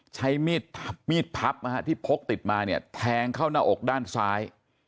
ใช้มีดพับนะฮะที่พกติดมาเนี่ยแทงเข้าหน้าอกด้านซ้าย